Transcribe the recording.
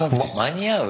間に合う？